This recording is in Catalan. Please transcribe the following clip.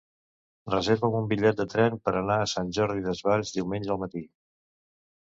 Reserva'm un bitllet de tren per anar a Sant Jordi Desvalls diumenge al matí.